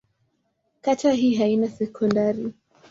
Kata hii haina sekondari.